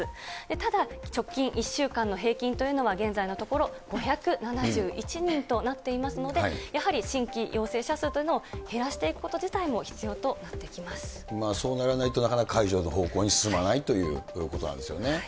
ただ、直近１週間の平均というのは、現在のところ、５７１人となっていますので、やはり新規陽性者数というのを減らしていくこと自体も必要となっそうならないとなかなか解除の方向に進まないということなんですよね。